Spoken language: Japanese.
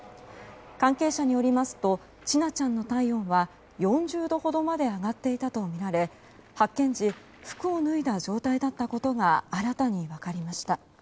関係者によりますと千奈ちゃんの体温は４０度ほどまで上がっていたとみられ発見時服を脱いだ状態だったことが新たに分かりました。